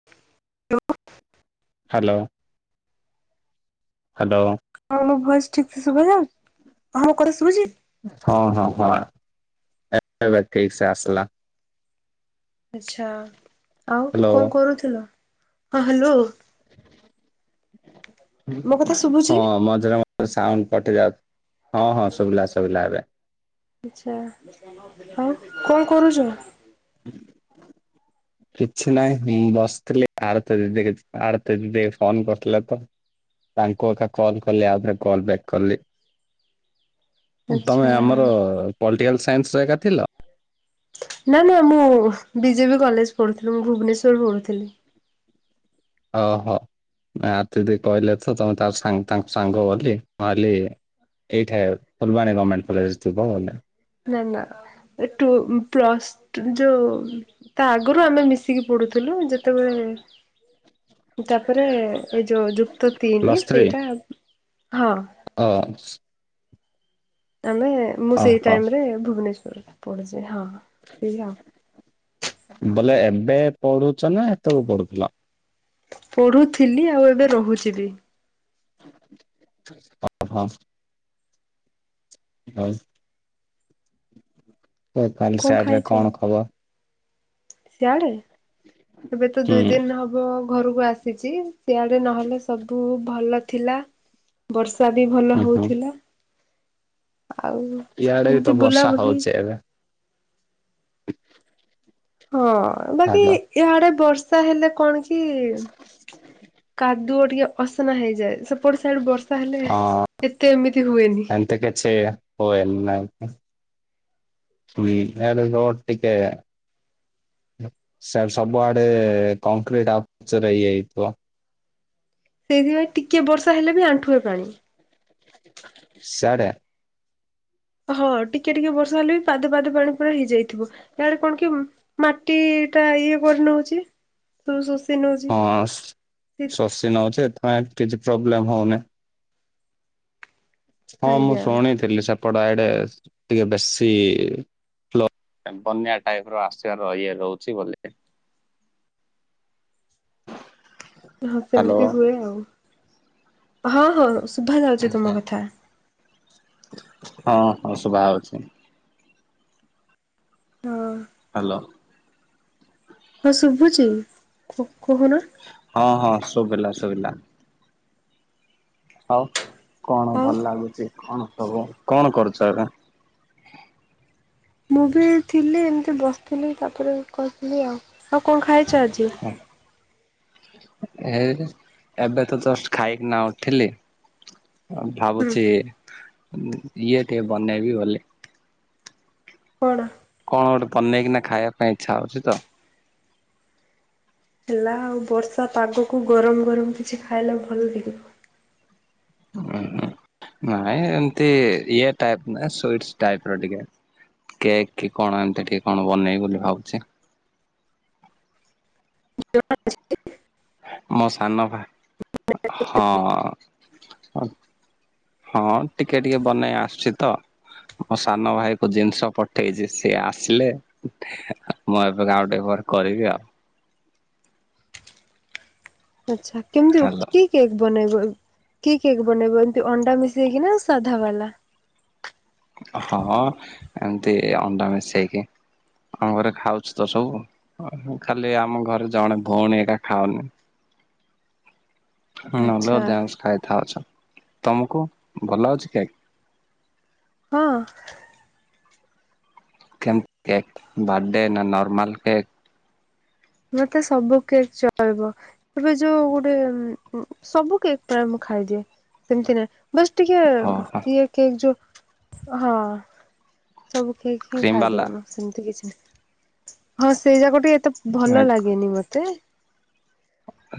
[unintelligible] Hello hello. ହଁ ମୋ voice ଠିକ୍ ସେ ଶୁଭା ଯାଉ ହଁ ମୋ କଥା ଶୁଭୁଛି। ହଁ ହଁ ହଁ ବା ଏବେ ଠିକ୍ ସେ ଆସିଲା। ଆଚ୍ଛା ଆଉ ହ୍ୟାଲୋ। କଁ କରୁଥୁଲ ହଁ ହାଲୋ। ମୋ କଥା ଶୁଭୁଛି? ହଁ ମଝିରେ ମ ସାଉଣ୍ଡ କଟି ଯାଉ ହଁ ହଁ ସୁବିଲା ସୁବିଲା ଏବେ। ଆଚ୍ଛା ଆଉ କଁ କରୁଚ। କିଛି ନାହିଁ ମୁଁ ବସିଥିଲି ଆରତି ଦିଦି କେତ୍ ଆରତ ଦିଦି ଫୋନ୍ କରିଥିଲେ ତ। ତାଙ୍କୁ ଏଖା କଲ୍ କଲି ଆଉ ଥରେ କଲ୍ ବ୍ୟାକ୍ କଲି। ତମେ ଆଚ୍ଛା ଆମର ପଲ୍ଟିକାଲ୍ ସାଇନ୍ସରେ ଏକା ଥିଲ। ନା ନା ମୁଁ ବିଜେ ବିି କଲେଜ ପଢୁଥିଲି ମୁଁ ଭୁବନେଶ୍ୱର ପଢ଼ୁଥିଲି। ଅହଃ ନା ଆରତି ଦିଦି କାହିଲେ ତ ତମେ ତା ସାଙ୍ଗ ତାଙ୍କ ସାଙ୍ଗ ବୋଲି ମୁଁ ଭାବିଲି ଏଇଠାଏ ଫୁଲବାଣୀ ଗମେଣ୍ଟେ କଲେଜ ଥୁବ ବୋଲେ। ନାଁ ନାଁ ଏଠୁ ଉଁ ପ୍ଲସ ଟୁ ଯୋଉ ତା ଆଗୁରୁ ଆମେ ମିଶିକି ପଢ଼ୁଥୁଲୁ ଯେତୋବେଳେ ତାପରେ ଏଇ ଯୋଉ ଯୁକ୍ତ ତିନି ପ୍ଲସ୍ ଥ୍ରୀ ସେଇଠା ହଁ। [unintelligible] ମେ ମୁଁ ସେଇ ଓହୋ ଟାଇମରେ ଭୁବନେଶ୍ୱର ପଢୁଛି ହଁ ହଁ ସେଇଆ ଆଉ। ବୋଲେ ଏବେ ପଢୁଛ ନା ହେତୋ ବୋଳୁକୁ ପଢୁଥୁଲା। ପଢୁଥିଲି ଆଉ ଏବେ ରୋହୁଚି ବି। ଅହଁ। [unintelligible] [unintelligible] କଣ ସୀୟାଡ ରେ କଣ ଖବର। ସୀୟାଡେ ଏବେ ତ ହୁଁ ଦୁଇ ଦିନ ହବ ଘରୁକୁ ଆସିଚି। ସେଆଡେ ନହେଲେ ସବୁ ଭଲ ଥିଲା। ବର୍ଷା ବି ଭଲ ହୁଁ ହୁଁ ହୋଉଥିଲା। ଇଆଡେ ବି ତ ବର୍ଷା ବୁଲାବୁଲି ହଉଚି ଏବେ। ହଁ ବାକି ହାଲୋ ଇୟାଡେ ବର୍ଷା ହେଲେ କଣ କି କାଦୁଅ ଟିକେ ଅସନା ହେଇଯାଏ ସେପଟ ସାଇଡ୍ ବର୍ଷ ର୍ଷା ହେଲେ ଏତେ ଏମିତି ହୁଏନି। ଏତେ କିଛି ହୁଏନି [unintelligible] [unintelligible] ଟିକେ। ସ୍ୟାଡେ ସବୁଆଡେ କଂକ୍ରିଟ୍ ଆଉ ପିଚୁରେ ଇଏ ହେଇଥିବ। ସେଇଥିପାଇଁ ଟିକିଏ ବର୍ଷା ହେଲେ ବି ଆଣ୍ଠୁଏ ପାଣି। ସ୍ୟାଡେ। ହଁ ଟିକେ ଟିକେ ବର୍ଷା ହେଲେ ବି ପାଦେ ପାଦେ ପାଣି ପୁରା ହେଇଯାଇଥିବ ୟଆଡେ କଣ କି ମାଟି ଟା ଇଏ କରିନୋଉଚି ସବୁ ଶୋଷି ନୋଉଚି ସେଇଥି ସି ନୋଉଛି ଏଥିପାଇଁ କିଛି ପ୍ରୋବ୍ଲେମ ହଉନି। ହଁ ମୁଁ ଆଜ୍ଞା ଶୁଣିଥିଲି ସେପଟ ଆଡେ ଟିକେ ବେଶୀ [unintelligible] ବନ୍ୟା ଟାଇପ୍ ର ଆସିବାର ଇଏ ରୋହୁଛି ବୋଲିକି। [inaudible] ହଁ ହାଲୋ। ସେମିତି ହୁଏ ଆଉ ହଁ ହଁ ଶୁଭା ଯାଉଛି ହଁ ତୁମ କଥା। ହଁ ହଁ ଶୁଭା ହୋଉଚି। ହଁ। ହ୍ୟାଲୋ। ହଁ ଶୁଭୁଚି କହୁନ। ହଁ ହଁ ଶୁଵିଲା ଶୁଵିଲା। ଆଉ କଣ ଆଉ ଭଲ ଲାଗୁଛି କଣ ସବୁ କଣ କରୁଛ ଏବେ? ମୁଁ ବି ଥିଲି ଏମିତି ବସିଥିଲି ତାପରେ କହିଥିଲି ଆଉ ଆଉ କଣ ଖାଇଛ ଆଜି? ହ। ଏ ଏବେ ତ ଜଷ୍ଟ ଖାଇକି ନା ଉଠିଲି। ଆ ହୁଁ ଭାବୁଛି ଇଏ ଟିକେ ବନେଇବି ବୋଲି। କଣ? କଣ ଗୋଟେ ବନେଇକିନା ଖାଇବା ପାଇଁ ଇଚ୍ଛା ହୋଉଛି ତ। ହେଲା ଆଉ ବର୍ଷା ପାଗକୁ ଗରମ ଗରମ କିଛି ଖାଇଲେ ଭଲ ଲାଗିବ। ହଁ ନାଇଁ ଏମତି ଇଏ ଟାଇପ୍ ନା ସୁଇସ୍‌ ଟାଇପ୍ ର ଟିକେ। କେକ୍ କଣ ଏମତି ଟିକେ କଣ ବନେଇବି ବୋଲି ଭାବୁଛି। [unintelligible] ମୋ ସାନ ଭା ହଁ। ହଁ ଟିକେ ଟିକେ ବନେଇ ଆସୁଚି ତ। ମୋ ସାନ ଭାଇ କୁ ଜିନିଷ ପଠେଇଛି ସିଏ ଆସିଲେ ମୁଁ ଏବେ ଆଉ ଟିକେ ପରେ କରିବି ଆଉ। ଆଚ୍ଛା କେମିତି ହ୍ୟାଲୋ ହୋଉଚି କି? କେକ୍ ବନେଇବ କି କେକ୍ ବନେଇବ ଏମତି ଅଣ୍ଡା ମିଶେଇକି ନା ସାଧା ବାଲା? ହଁ ଏମିତି ଅଣ୍ଡା ମିଶେଇକି। ଆମ ଘରେ ଖାଉଛି ତ ସବୁ ଖାଲି ଆମ ଘରେ ଜଣେ ଭଉଣୀ ଏକା ଖାଉନି। ନହେଲେ ଆଚ୍ଛା ଦେସ ଖାଇଥା ଅଛ ତମକୁ ଭଲ ଲାଗୁଚି କେକ୍। ହଁ। କେମତି କେକ୍ ବାର୍ଥଡେ ନା ନର୍ମାଲ କେକ୍? ମତେ ସବୁ କେକ୍ ଚଳିବ। ଏବେ ଯୋଉ ଗୋଟେ ସବୁ କେକ୍ ମୁଁ ଖାଇଦିଏ ସେମିତି ନାଇ ବସ୍ ଟିକେ ଓହୋ ଇଏ କେକ୍ ଯୋ ହଁ। ସବୁ କେକ୍ ହିଁ କ୍ରିମ୍ ଖାଇ ବାଲା ଦେବି ମୁଁ ସେମିତି କିଛି ନାହି ହଁ ସେଇ ଯାକ ଟିକେ ଏତେ ଭଲ ଲାଗେନି ମତେ।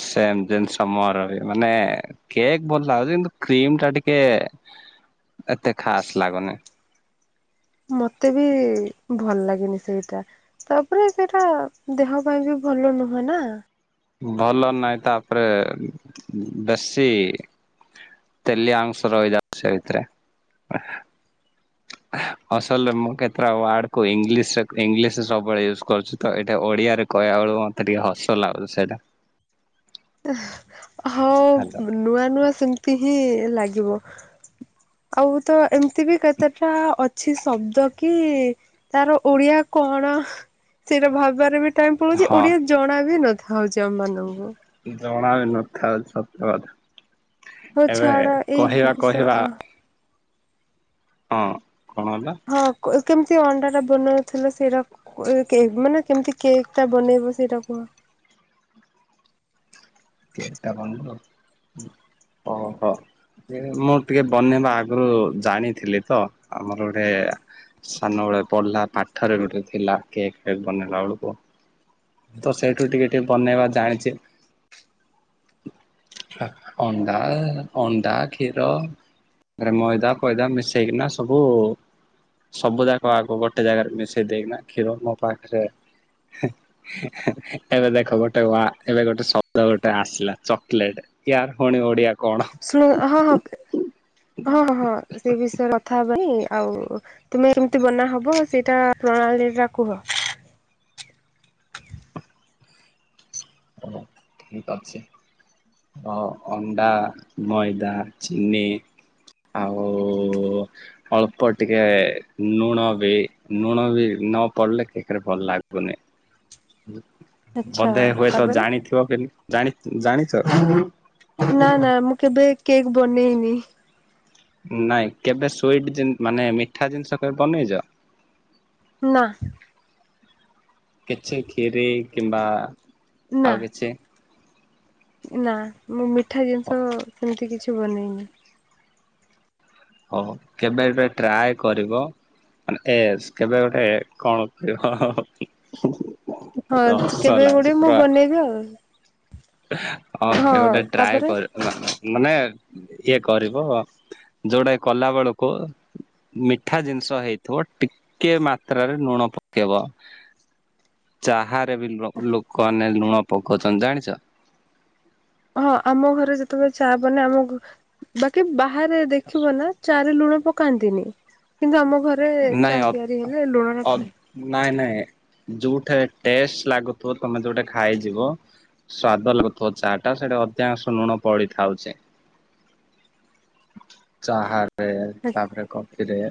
ସେମତିନ୍ ସମରରେ ମାନେ କେକ୍ ଭଲ ଲାଗୁଛି କିନ୍ତୁ କ୍ରିମ ଟା ଟିକେ ଏତେ ଖାସ ଲାଗୁନି। ମତେ ବି ଭଲ ଲାଗେନି ସେଇଟା। ତାପରେ ସେଟା ଦେହ ପାଇଁ ବି ଭଲ ନୁହେଁ ନା। ଭଲ ନାହିଁ ତାପରେ ବେଶୀ ତେଲିଆ ଅଂସ ରହିଯାଉଚି ସେଇଥିରେ। ଅସଲରେ ମୁଁ କେତେଟା ୱାର୍ଡ କୁ ଇଂଙ୍ଗିଲିସ୍‌ ଇଂଙ୍ଗିଲିସ୍ ସବୁବେଳେ ୟୁଜ୍‌ କରୁଛି ତ ଏଟା ଓଡିଆରେ କହିବା ବେଳକୁ ମତେ ଟିକେ ହସ ଲାଗୁଚି ସେଇଟା। ହଁ ହାଲୋ ମାନେ ନୂଆ ନୂଆ ସେମିତି ହିଁ ଲାଗିବ ଆଉ ତ ଏମ୍ ତିବି କେତେଟା ଅ କିଛି ଶବ୍ଦ କି ତାର ଓଡିଆ କଣ ସେଇଟା ଭାବାରେ ବି ଟାଇମ୍ ପଳୋଉଚି ହଁ ଓଡିଆ ଜଣା ବି ନଥାଉଛି ଆମ ମାନଙ୍କୁ ଜଣା ବି ନଥାଉ ସତ କଥା ହଉ ଏବେ ଛାଡ ଏଇ କହିବା କହିବା ହଁ କଣ ହେଲା? ହଁ, କ-କେମିତି ଅଣ୍ଡା ଟା ବନଉଥିଲ? ସେଇରା କେହି ମାନେ କେମିତି? କେକ୍ ଟା ବନେଇବ ସେଇଟା କୁହ। କେକ୍ ଟା ବନେଇଲ? ଓ ହ! ମୁଁ, ଟିକେ ବନେଇବା ଆଗରୁ ଜାଣିଥିଲି ତ! ଆମର ଗୋଟେ-ଏ ସାନବେଳେ ପଢିଲା ପାଠରେ ଗୋଟେ ଥିଲା, କେକ୍ ଫେକ୍ ବନେଇଲା ବଳକୁ ମୁଁ ତ, ସେଇଠୁ ଟିକେ ଟିକେ ବନେଇବା ଜାଣିଛି। ହା ଅଣ୍ଡା-ଆ, ଅଣ୍ଡା କ୍ଷୀର। ଆରେ ମଇଦା ଫଇଦା ମିଶେଇକିନା ସବୁ ସବୁ ଯାକ ଆଗ ଗୋଟେ ଜାଗାରେ ମିଶେଇ ଦେଇକନା, କ୍ଷୀର ମୋ ପାଖରେ, ହେଁ ଏବେ ଦେଖ ଗୋଟେ ୱା, ଏବେ ଗୋଟେ ଶବ୍ଦ ଗୋଟେ ଆସିଲା ଚକ୍ଲେଟ। ୟାର୍ ଫୁଣି ଓଡିଆ କଣ? ଶୁଣ! ହଁ ହଁ ହଁ ହଁ ହଁ ସେ ବିଷୟରେ କଥା ହବା ନି। ଆଉ ତୁମେ କେମିତି ବନା ହବ ସେଇଟା ପ୍ରଣାଳୀ ଟା କୁହ? ଓ ଠିକ୍ ଅଛି। ଅ-ଅଣ୍ଡା, ମଇଦା, ଚିନି ଆଉ-ଉ-ଉ ଅଳ୍ପ ଟିକେ ନୁଣ ବି! ନୁଣ ଭି ନ ପଡିଲେ କେକ୍ ରେ ଭଲ ଲାଗୁ ଗୁନି। ଆଚ୍ଛା ବଧେ ହୁଏ ତାପରେ ଥିବ କାଲି, ଜାଣି ଜାଣିଛ! [inaudible] ନା, ନା, ମୁଁ କେବେ କେକ୍ ବନେଇନି? ନାଇଁ, କେବେ ସୁଇଟ୍ ଜିନି ମାନେ, ମିଠା ଜିନିଷ କେବେ ବନେଇଛ? ନାଁ। କିଛି ଖିରି କିମ୍ବା ଆଉ କିଛି? ନାଁ, ମୁଁ ମିଠା ଜିନିଷ ସେମିତି କିଛି ବନେଇନି। ହଉ, କେବେ ଏଟେ ଟ୍ରାଏ କରିବ? ମାନେ, ଏସ୍ କେବେ ଗୋଟେ କଣ କହିବ? ହଁ, ହସ କେବେ ଲାଗୁଛି ଗୋଡେ ମୁଁ ପୁରା ବନେଇବି ଆଉ। ହଁ, କେ ଗୋଟେ ଟ୍ରାଏ କର ମାନେ, ଇଏ କରିବ। ଯୋଉଟା କଲା ବେଳକୁ ମିଠା ଜିନିଷ ହେଇଥିବ। ଟିକେ ମାତ୍ରାରେ ନୁଣ ପକେଇବ। ଚାହା ରେ ବି ଲୋ-ଲୋକମାନେ ନୁଣ ପକଉଛନ୍ତି ଜାଣିଛ! ହଁ, ଆମ ଘରେ ଯେତେବେଳେ ଚା' ବନେ ଆମ ଘ ବାକି ବାହାରେ ଦେଖିବ ନା, ଚା' ରେ ଲୁଣ ପକାନ୍ତିନି। କିନ୍ତୁ ଆମ ଘରେ ରେ ଚା' ନାଇଁ ତିଆରି ହେଲେ ଲୁଣ ଟା ଅ ପଡେ। ନାଇଁ ନାଇଁ ଯୋଉଠା ଟେଷ୍ ଲାଗୁଥିବ। ତମେ ଯୋଉଠା ଖାଇଯିବ। ସ୍ଵାଦ ଲାଗୁଥିବା ଚା' ଟା ସେଟା ଅଧିକାଂଶ ଲୁଣ ପଡିଥାଉଚେ। ଚା 'ହା ରେ ତା'ପରେ କଫିରେ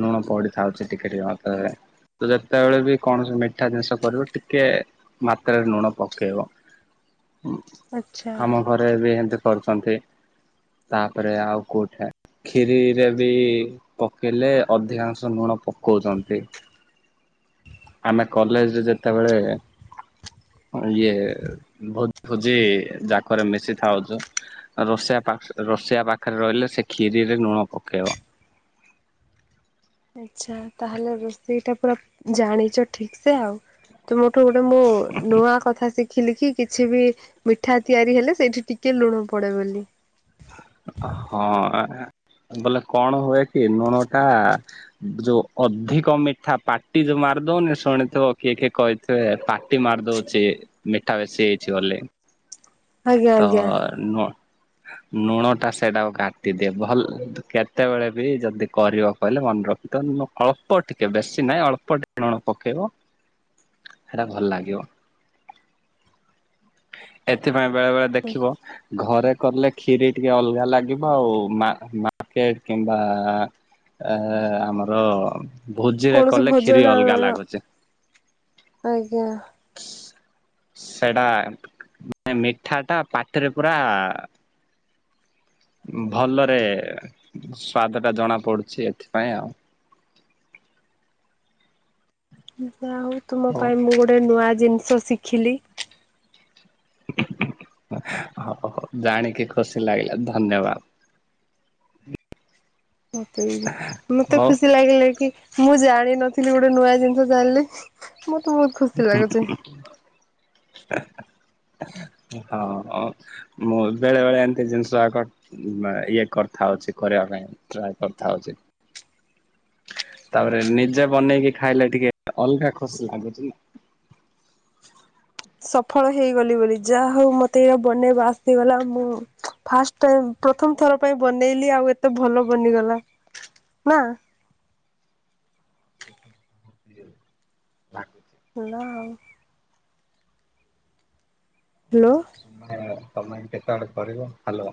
ନୁଣ ପଡ଼ିଥାଉଚେ, ଟିକେ ଟିକେ ମାତ୍ରାରେ। ତୁ ଯେତେବେଳେ ବି କୌଣସି ମିଠା ଜିନିଷ କରିବୁ, ଟିକେ ମାତ୍ରାରେ ନୁଣ ପକେଇବ। ହୁଁ ଆଚ୍ଛା ଆମ ଘରେ ବି ହେଁତି କରୁଛନ୍ତି। ତା'ପରେ, ଆଉ କୋଉଠା ଖିରିରେ ବି ପକେଇଲେ ଅଧିକାଂଶ ନୁଣ ପକଉଛନ୍ତି। ଆମେ କଲେଜରେ ଯେତେବେଳେ ଇଏ, ଭୋ-ଭୋଜି ଯାକରେ ମିଶିଥାଉଚୁ। ରୋଷେୟା ପାଖ୍ ରୋଷେୟା ପାଖରେ ରହିଲେ ସେ କ୍ଷିରିରେ ନୁଣ ପକେଇବ। ଆଚ୍ଛା, ତାହେଲେ ରୋଷେଇଟା ପୁରା ଜାଣିଛ ଠିକ୍ ସେ ଆଉ। ତୁମଠୁ ଗୋଟେ ମୁଁ, ନୂଆ କଥା ଶିଖ୍ ଖିଲିକି କିଛି ବି ମିଠା ତିଆରି ହେଲେ, ସେଇଠି ଟିକେ ଲୁଣ ପଡେ ବୋଲି। ହଁ ବୋଇଲେ କଣ ହୁଏ କି ଲୁଣ ଟା ଯୋଉ ଅଧିକ ମିଠା ପାଟି ଯୋଉ ମାରିଦଉନି ଶୁଣିଥିବ କିଏ କିଏ କହି ସେ ପାଟି ମାରି ଦଉଚି ମିଠା ବେଶି ହେଇଛି ବୋଲି। ଆଜ୍ଞା ତ ଆଜ୍ଞା ନୁଅ ଲୁଣ ଟା ସେଇଟାକୁ କାଟିଦିଏ ଭଲ କେତେବେଳେ ବି ଯଦି କରିବ କହିଲେ ମନେ ରଖ। ତ ନ ଅଳ୍ପ ଟିକେ ବେଶୀ ନାଇଁ ଅଳ୍ପ ଟିକେ ଲୁଣ ପକେଇବ। ହେଟା ଭଲ ଲାଗିବ ଏଥିପାଇଁ ବେଳେ ବେଳେ ଦେଖିବ ଘରେ କଲେ ଖିରି ଟିକେ ଅଲଗା ଲାଗିବ ଆଉ ମା ମାର୍କେଟ କିମ୍ବା ଏ ଆମର ଭୋଜିରେ କୌଣସି କଲେ କ୍ଷୀରି ଭୋଜନ ଅଲଗା ଆଜ୍ଞା ଲାଗୁଚି। ସି ସି ସେଟା ମାନେ ମିଠା ଟା ପାଟିରେ ପୁରା ଭଲରେ ସ୍ଵାଦ ଟା ଜଣା ପଡୁଛି ଏଥିପାଇଁ ଆଉ। ଯା ହଉ ତୁମ ହଉ ପାଇଁ ମୁଁ ଗୋଟେ ନୂଆ ଜିନିଷ ଶିଖିଲି। ହଉ ଜାଣିକି ଖୁସି ଲାଗିଲା ଧନ୍ୟବାଦ। ମତେ ବି ମତେ ହଉ ଖୁସି ଲାଗିଲା କି ମୁଁ ଜାଣିନଥିଲି ଗୋଟେ ନୂଆ ଜିନିଷ ଜାଣିଲି। ମତେ ବହୁତ୍ ଖୁସି ଲାଗୁଚି। ହଁ। ମୁଁ ବେଳେବେଳେ ଏମିତି ଜିନିଷ ଆକଟ ଇଏ କରିଥାଉଛି କରିବା ପାଇଁ ଟ୍ରାଏ କରିଥାଉଛି। ତାପରେ ନିଜେ ବନେଇକି ଖାଇଲେ ଟିକେ ଅଲଗା ଖୁସି ଲାଗୁଛି ନା। ସଫଳ ହେଇଗଲି ବୋଲି ଯା ହଉ ମତେ ବନେଇବା ଆସିଗଲା। ମୁଁ ଫାଷ୍ଟ ଟାଇମ୍ ପ୍ରଥମ ଥର ପାଇଁ ବନେଇଲି ଆଉ ଏତେ ଭଲ ବନିଗଲା ନାଁ? ଲାଗୁଚି। ଭଲ ଆଉ। ହାଲୋ। ତମେ ତମେ କେତବେଳେ କରିବ। ହାଲୋ।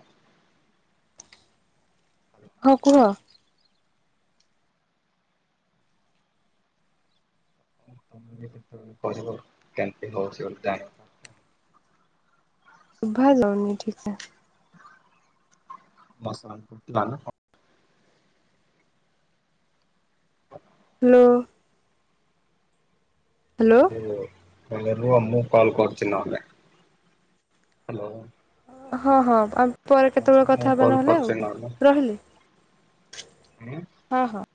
ହଁ କୁହ। ତମେ କେତେବେଳେ କରିବ କେମିତି ହଉଛି ଗୋଟେ ଟାଇମ୍। ସୁଭା ଯାଉନି ଠିକ୍ ସେ। [unintelligible] ନ। ହ୍ୟାଲୋ। [unintelligible] ଭଲରେ ରୁହ ମୁଁ କଲ୍ କରୁଚି ନହେଲେ ହାଲୋ। ହଁ ହଁ ଆମ ପରେ କେତବେଳେ କଥା ହେବା କଲ୍ ନହେଲେ କରୁଛି ଆଉ ରହିଲି ହଁ ହଁ।